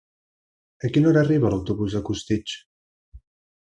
A quina hora arriba l'autobús de Costitx?